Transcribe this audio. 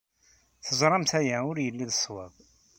Teẓramt aya ur yelli d ṣṣwab.